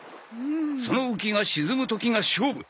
その浮きが沈む時が勝負。